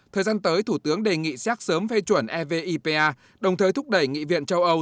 thời gian tới thủ tướng đề nghị xác sớm phê chuẩn evipa đồng thời thúc đẩy nghị viện châu âu